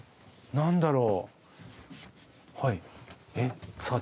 何だろう？